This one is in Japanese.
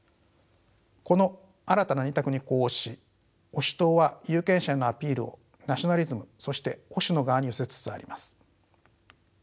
この新たな２択に呼応し保守党は有権者へのアピールをナショナリズムそして保守の側に寄せつつあります。